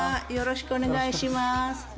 よろしくお願いします。